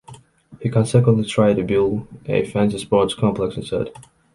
He consequently tried to build a fancy sports complex instead.